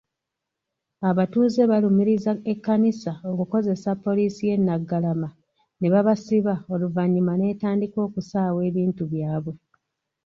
Abatuuze balumiriza Ekkanisa okukozesa poliisi y'e Naggalama ne babasiba oluvannyuma n'etandika okusaawa ebintu byabwe.